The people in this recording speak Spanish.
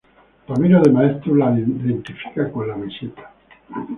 Ramiro de Maeztu la identifica con la meseta.